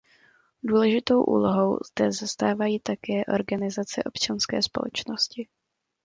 Důležitou úlohu zde zastávají také organizace občanské společnosti.